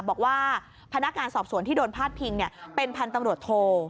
บอกว่าพนักงานสอบสวนที่โดนพาดพิงเป็นพันธุ์ตำรวจโท